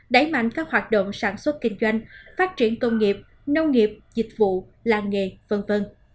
đẩy mạnh các hoạt động sản xuất kinh doanh phát triển công nghiệp nông nghiệp dịch vụ làng nghề v v